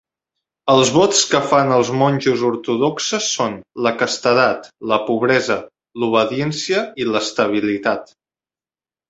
Els vots que fan els monjos ortodoxes són: la castedat, la pobresa, l'obediència i l'estabilitat.